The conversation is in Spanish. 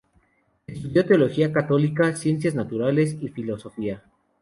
Estudió teología católica, ciencias naturales y filosofía.